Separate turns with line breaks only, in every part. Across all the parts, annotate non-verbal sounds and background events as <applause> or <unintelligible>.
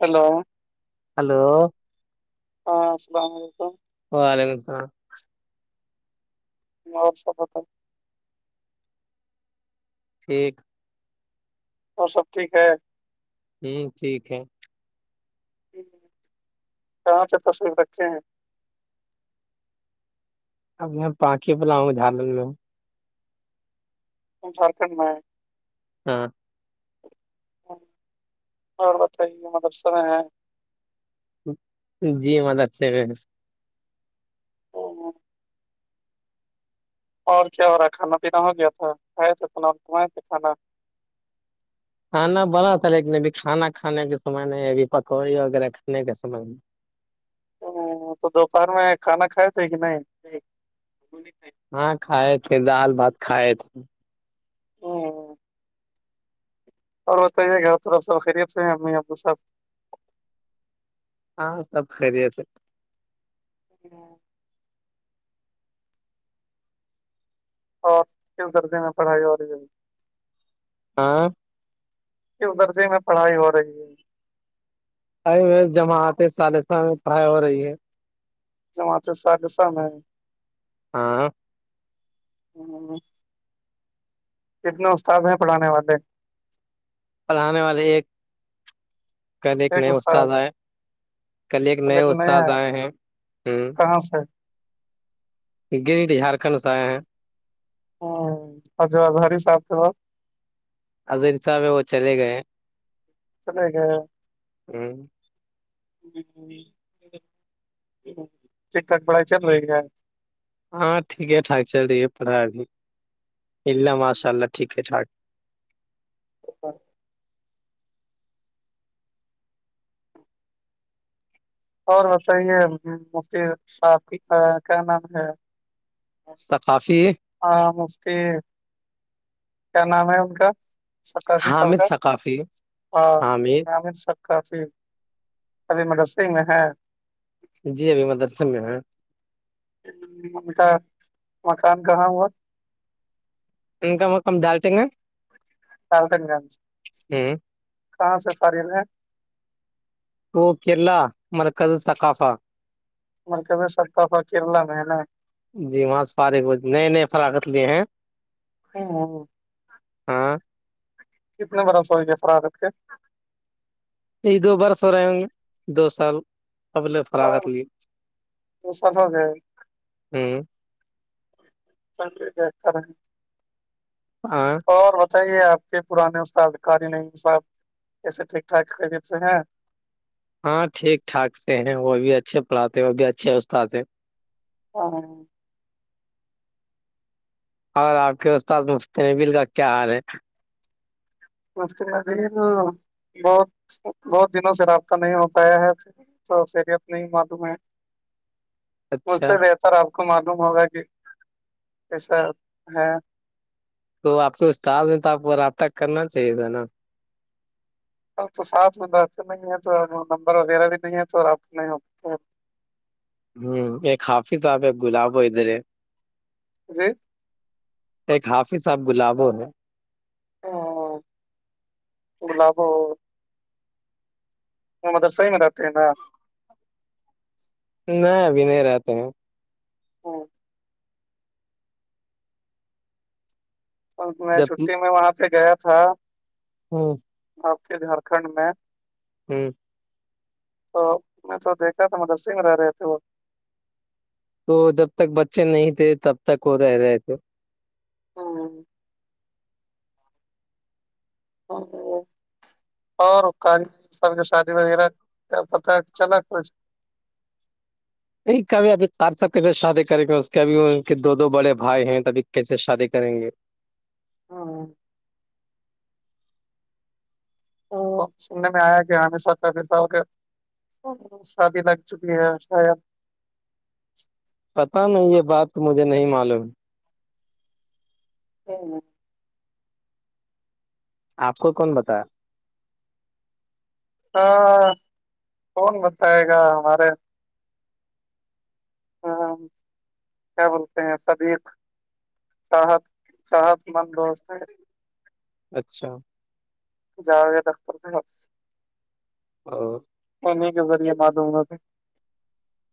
Hello
hello
السلام علیکم
وعلیکم السلام
اور سب بتا
ٹھیک
اور سب ٹھیک ہے
ہوں ٹھیک ہے
کہاں سے تصریف رکھے ہیں
اب یہاں پانکھے بلاؤ جھا ل لوں
جھارکھنڈ میں
ہاں
ہ اور بتائیے مدرسر ہیں
جی مدد سے
<unintelligible> اور کیا ہو رہا ہے کھانا پینا ہو گیا تھا ک تھے فل کمائے تھے کھانا
کھانا بڑا تھا لیکن ابھی کھانا کھانے کے سمے نہیں ابھی پکوڑی وغیرہ کھانے کے سمے میں
تو دوپہر میں کھانا کھائے تھے کہ نہیں
ہاں کھائے تھے دال بات کھائے تھے
ہمم اور بتائے کہف خریف سے امی ابواب
ہاں سب خیریت
<inaudible> اور کے درجے میں پڑھائی اور رہی
ہاں
کس درجے میں پڑھائی ہو رہی ہے
ا میں جماعتیں سالسہ میں پڑھائی ہو رہی ہے
جمعت سااد س میں
ہاں
ہمم کتنے استاد ہیں پڑھانے والے
پڑھانے والے ایک کل ایک نئے استاد آئے کل ایک نئے استاد آئے ہیں ہ
ہاں سر
گنیٹ جھارکھنڈ سے آئے ہیں
ہمم ہج ہری سف تھب
عظر صاح میں وہ چلے گئے
چلے گ
ہ
ٹکٹک پڑائی چل رہی ہے
ہاں ٹھیک ہے ٹھاک چل رہی ہے پڑھائی بھی اللہ ماشاء اللہ ٹھیک ہے ٹھاک
<unintelligible> اور بتائیے مفتی صاحب کی کا کیا نام ہے
ثقافی
ہاں مفتی کیا نام ہے ان کا سکا فی
حامد ثقافی حامد
س کافی ابھی مدرس میں ہے
جی ابھی میں مدرسے میں ہیں
کا مکان کہاں ہوا
ان کام وہ کم ڈالٹیں گا
فالٹن گنج
ہ
کہاں سے فاری میں
وہ کیرلا مل قد سقفا
کب ستافا کلا ہے
جی وہاں سے پار نئے نئے فرخت لیے ہیں
ہاں
ہاں
کتنے برسور کے افرارت کے
یہ دو بار سو رہے دو سال اب لے فراغت
اور
لی
دو سال ہو گئے
ہوں
<unintelligible>
ہاں
اور بتائیے آپ کے پرانے استادکاری نہیں صاحب ایسے ٹھیک ٹھاک قریت سے ہیں
ہاں ٹھیک ٹھاک سے ہیں وہ بھی اچھے پڑاتے ہیں وہ بھی اچھے وھ آتے ہیں
ہاں
اور آپ کے استاد مفت نبل کا کیا حال ہے
مج کے ابھی بہت بہت دنوں سے رابطہ نہیں ہو پایا ہے پھر خیریت نہیں معلوم ہے
اچھا
سے بہتر آپ کو معلوم ہوگا کہ ایسا ہے
تو آپ کے استاد میں تو آپ کو رابطہ کرنا چاہیے تھا نا
اب تو ساتھ میں بیتے نہیں ہے تو نمبر وغیرہ بھی نہیں ہے تو آپ
ہوں ایک حافظ آحب ایک گلاب ہو ادھر ہے
جی
ایک حاف صاحب گلابوں نے
گلاب وہ مدر صحیح مناتے ہیں نا
نہیں ابھی نہیں رہتے ہیں
ہاں میں
جب
چھٹی میں وہاں پہ گیا تھا
ہاں
آپ کے جھارکھنڈ میں
ہاں
تو میں تو دیکھا تھا مدر سنگ رہ رہے تھے وہ
تو جب تک بچے نہیں تھے تب تک وہ رہ رہے تھے
ہاں <inaudible> اور سب شادی وغیرہ پتا چلا کچھ
نہیں کبھی ابھی چار سب کیسے شادی کریں گے اس کے ابھی ان کے دو دو بڑے بھائی ہیں ابھی کیسے شادی کریں گے
ہوں، وہ سننے میں آیا کہ ہم نے سوچا سال کے شادی لگ چکی ہے شاید
پتا نہیں یہ بات مجھے نہیں معلوم
<inaudible>
آپ کو کون بتایا
ہاں کون بتائے گا ہمارے کیا بولتے ہیں صدیق سحت صحت مند دوست ہے
اچھا
جا گیا دفتر سے
اور
پنے کے ذریعے معلوم ہوے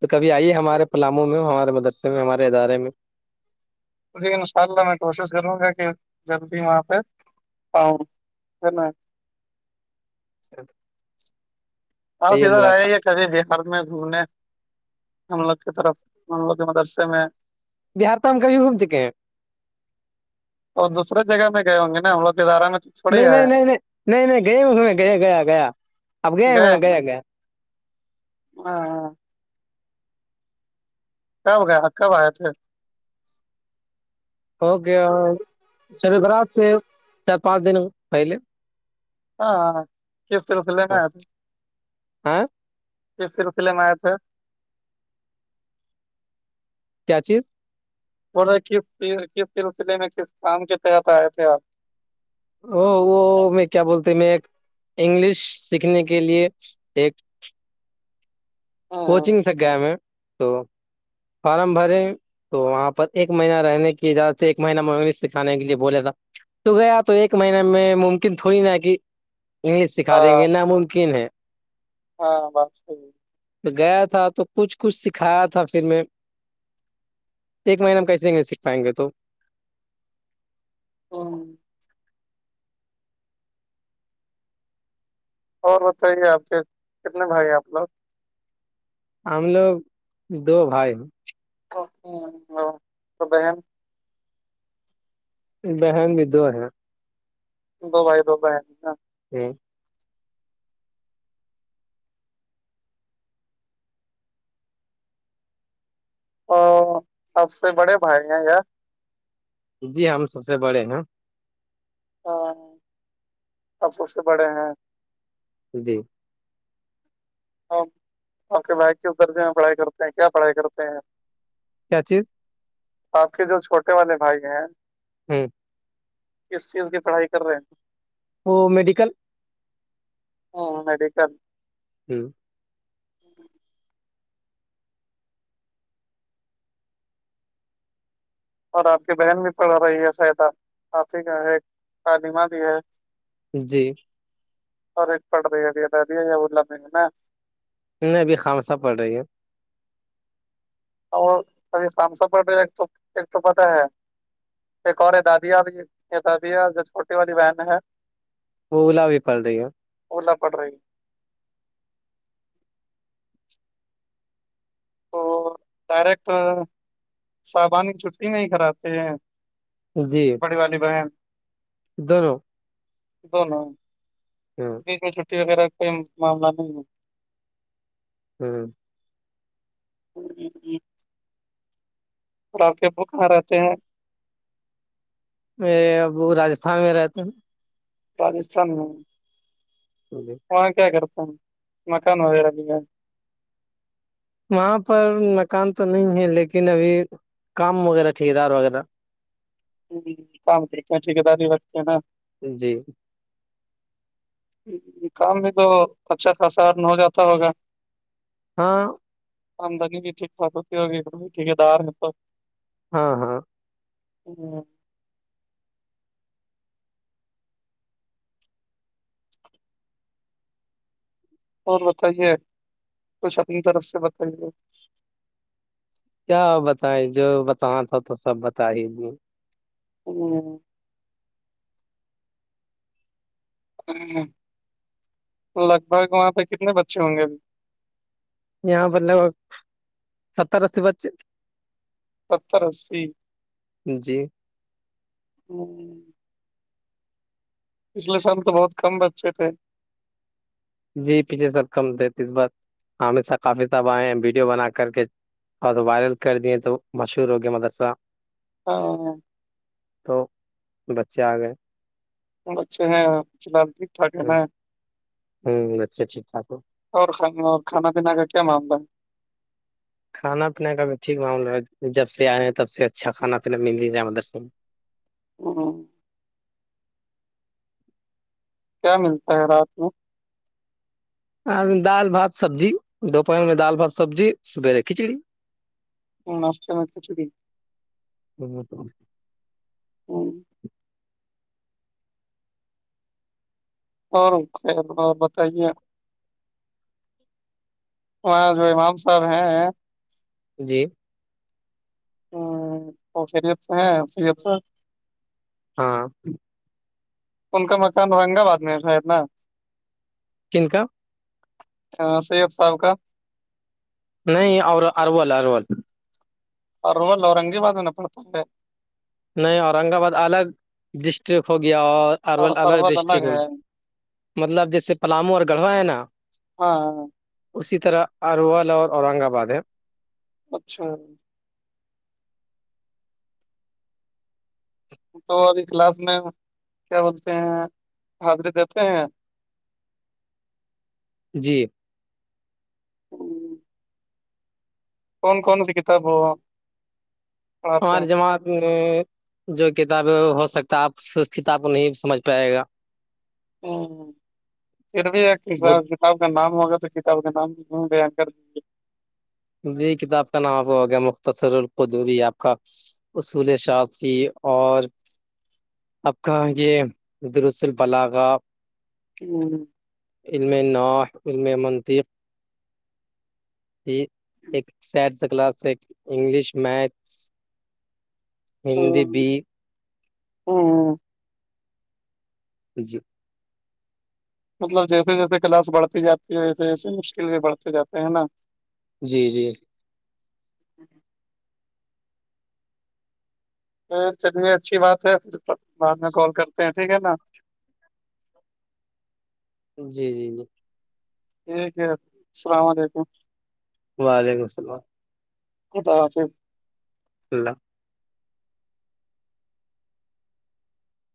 تو کبھی آئیے ہمارے پلاموں میں ہمارے مدرسے میں ہمارے ادارے میں
جی ان شاء اللہ میں کوشش کروں گا کہ جلدی وہاں پہ آؤں
ا <unintelligible>
آپ ادھر آئے یہ کبھی بہار میں گھومنے ہم لوگ کی طرف ہم لوگ جو مدرسے میں
بہار تام کبی گھوم چکے ہیں
اور دوسرری جگہ میں گئے ہوں گے نا ہم وہ ادارے
نہیں نہیں نہیں نہیں نہیں نہیں گئے اس میں گیا گیا گیا اب گیا
گئے
میں نے
ہیں؟
گیا گیا
<inaudible> کب گیا کب آیا تھے
اوکے اور شب برات سے چار پانچ دن پہلے
ہاںرے میں
ہاں
آیا
ہاں
تھار میں آئے تھے
کیا چیز
کس سلسلے میں کس کام کے تحت آئے تھے آپ
وہ وہ میں کیا بولتے میں انگلش سیکھنے کے لیے ایک
ہوں،
کوچنگ س سے گیا میں تو فارم بھرے تو وہاں پر ایک مہینہ رہنے کی اجازت تھی ایک مہینہ میںنی سےکھانے کے لیے بولے تھا تو گیا تو ایک مہین میں ممکن تھوڑی نا کہ انگلش سکھا دیں
ہاں
گے ناممکن ہے
ہاں بات صحیح
گیا تھا تو کچھ کچھ سکھایا تھا پھر میں ایک مہینے میں کیسے سیکھ پائیں گے تو
او <unintelligible> اور بتائیے آپ کے کتنے بھایی آپ لوگ
ہم لوگ دو بھائی
تو بہن
بہن بھی دو ہے
دو بھائی دو بہن
ہوں
آ سب سے بڑے بھائی ہیں یار
جی ہم سب سے بڑے ہے
ہاں آپ سب سے بڑے ہیں
جی
آوکے بھائی کیوں کرتے ہے پڑھائی کرتے ہیں کیا پڑھائی کرتے ہیں
کیا چیز
آپ کے جو چھوٹے والے بھائی ہیں
ہوں
کس چیز کی پڑھائی کر رہے ہیں
وہ میڈیکل
ہاں میڈیکل
ہوں
اور آپ کی بہن بھی پڑھا رہی ہے سیدہ کاپی کا ہے تعلیمہ بھی ہے
جی
اور پڑ رہےیا ل میں نا <inaudible>
میں ابھی خامصہ پڑھ رہی ہوں
<inaudible> اور بھی شام س پ تو ایک تو پتاہ ہے ایک اور یہ دادیا بھی یہ داد جو چھوٹی والی بہن ہے
وہ اولا بھی پڑ رہی ہے
اولا پڑ رہی ہے تو ڈائریکٹ شابان چھٹی نہیں کراتے ہیں
جی
بڑھی والی بہن
<unintelligible>
دونوں
<inaudible>
میں چھٹی وغیرہ کا کوئی معاملہ نہیں ہے
<inaudible>
<inaudible> <inaudible> پڑاپ کے بکاں رہتے ہیں
میرے ابو راجستھان میں رہتے ہیں
راجستھان میں
<unintelligible>
وہاں کیا کرتے ہیں مکان وغیرہ بھی ہے
وہاں پر مکان تو نہیں ہے لیکن ابھی کام وغیرہ ٹھیک دار وغیرہ
ہ کام طریقے ٹھیکےداری برتی نا
جی
کام میں تو اچا خاص ہو جاتا ہوگا
<inaudible>
آمدنی بھی ٹھیک ٹااک ہوتی ہے اور بھی ٹھیکے دار ہے تو
ہاں ہاں
<inaudible> اور بتائیے کچھ اپنی طرف سے بتائیے
کیا بتائے جو بتا تھا تو سب بت ہی
<inaudible> کتنے بچے ہوں گے
یہاں بوللے ستری بچ جی
<inaudible> بہت کم بچے تھے
جی پیچھے سر کم دتیس بات ہمی سا کافی سب آئے ہیں ویڈیو بنا کر کے ا دو وائرل کدی تو مشور ہوگی مدسا
ہاں ہاں
<inaudible>
اچھے ہیں ٹھاک ہے
ہ
نا
ہوں بچ سے ٹھیک ٹھاک ہو
اور کھانا پینا کا کیا معاملہ ہے
کھانا پینے کا بھی ٹھیک معاملہ ہے جب سے آئے ہیں تب سے اچھا کھانا پینا مل ہی جائے مدرسن
<inaudible> کیا ملتا ہے رات میں
دال بہت سبزی
نٹم اور کچھ دن
<inaudible>
<inaudible> <inaudible> وہاں جو امام صاحب ہیں
جی
ہ فریت سے ہے فریت سے
<inaudible>
ان کو مسند
کنکا
ہاں سید سال کا
نہیں اور ارول ارول
اور رول اورنگیباد میں نہ پڑ پوں گے
نہیں اورنگ آباد الگ ڈسٹرک ہو گیا اور ارول الگ ڈسٹرک ہوگیا مطلب جیسے پلااموں اور گڑھوا ہے نا
ہاں ہاں
اسی طرح اروول اور اورنگ آباد ہے
اچھا تو اور کلاس میں کیا بولتے ہیں حاضری دیتے ہیں
جی
ہوں کون کون سی کتاب ہو
اورار جمع جو کتاب ہو سکتا ہے آپ اس کتاب کو نہیں سمجھ پائے گا
ہ پھر بھی ایک
بہت
ک کتاب کا نام ہوا تو کتاب کا نام بھی گنکر
جی کتاب کا نام آپ ہو گیا مختصر القدبی آپ کا اصول شاخی اور آپ کہاں یہ رس البلاغہ
ہاں
علم ناح علم منطق ایک سڈ سا کلاس ہے انگلش میتھس ہندی بی
ہاں
جی
مطلب جیسے جیسے کلاس بڑھتی جاتی ہے ویسے جیسے مشکل بھی بڑھتے جاتے ہیں ہے نا
جی جی
چلیے اچھی بات ہے پھر بعد میں کال کرتے ہیں ٹھیک ہے نا
جی جی جی
ٹھیک ہے السلام علیکم
وعلیکم السلام
<inaudible>
اللہ